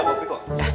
oh makasih ya